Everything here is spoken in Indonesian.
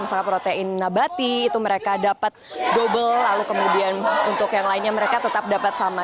misalnya protein nabati itu mereka dapat double lalu kemudian untuk yang lainnya mereka tetap dapat sama